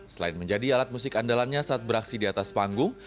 selain menjadi alat musik andalannya saat beraksi di atas panggung